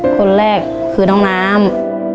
คนแรกคือน้องน้ำ